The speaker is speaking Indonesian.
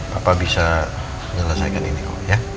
bapak bisa menyelesaikan ini kok ya